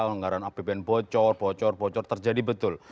anggaran apbn bocor bocor bocor terjadi betul